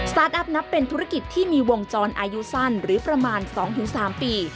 อัพนับเป็นธุรกิจที่มีวงจรอายุสั้นหรือประมาณ๒๓ปี